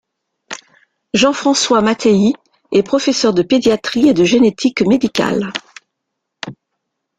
Jean-François Mattei est professeur de pédiatrie et de génétique médicale.